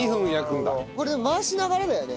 これ回しながらだよね。